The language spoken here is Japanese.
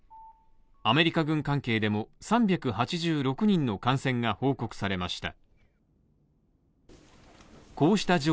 アメリカ軍関係でも３８６人の感染が報告されました。